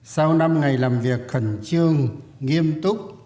sau năm ngày làm việc khẩn trương nghiêm túc